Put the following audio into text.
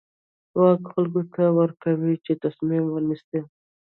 واک خلکو ته ورکوي چې تصمیم ونیسي.